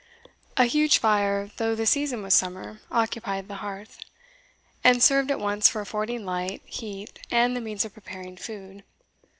A huge fire, though the season was summer, occupied the hearth, and served at once for affording light, heat, and the means of preparing food.